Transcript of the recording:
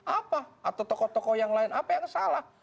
apa atau tokoh tokoh yang lain apa yang salah